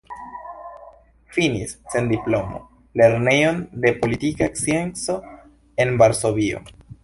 Finis sen diplomo Lernejon de Politika Scienco en Varsovio.